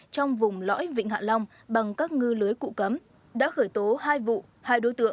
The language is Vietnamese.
trong vùng lõi vịnh hạ long bằng các ngư lưới cụ cấm đã khởi tố hai vụ hai đối tượng về tội hủy hoại nguồn lợi thủy sản